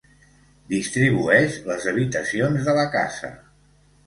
Distribueix les habitacions de la casa.